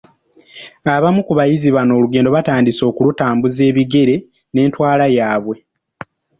Abamu ku bayizi bano olugendo batandise okulutambuza ebigere n’entwala yaabwe.